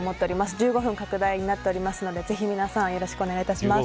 １５分拡大になっておりますので皆さんぜひよろしくお願いします。